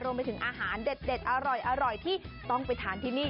รวมไปถึงอาหารเด็ดอร่อยที่ต้องไปทานที่นี่